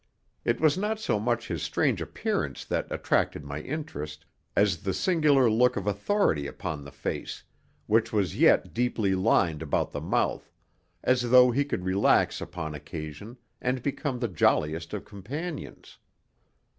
It was not so much his strange appearance that attracted my interest as the singular look of authority upon the face, which was yet deeply lined about the mouth, as though he could relax upon occasion and become the jolliest of companions.